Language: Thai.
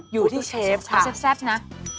อยู่ที่เชฟค่ะจะแซ่บนะ